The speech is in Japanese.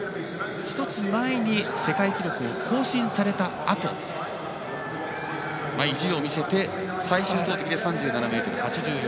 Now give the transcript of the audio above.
１つ前に世界記録を更新されたあと意地を見せて最終投てきで３７ｍ８４。